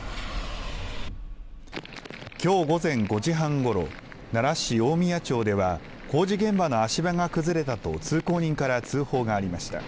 きょう午前５時半ごろ奈良市大宮町では工事現場の足場が崩れたと通行人から通報がありました。